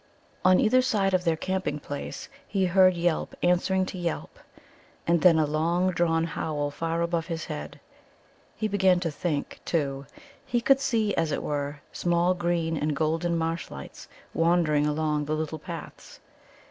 On either side of their camping place he heard yelp answering to yelp, and then a long drawn howl far above his head. He began to think, too, he could see, as it were, small green and golden marshlights wandering along the little paths.